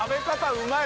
うまい。